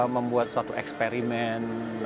membuat satu eksperimen